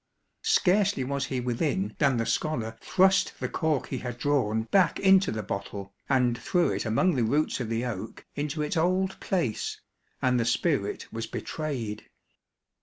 Scarcely was he within than the scholar thrust the cork he had drawn back into the bottle, and threw it among the roots of the oak into its old place, and the spirit was betrayed.